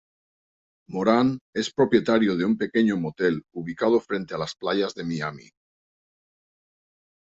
Moran es propietario de un pequeño motel, ubicado frente a las playas de Miami.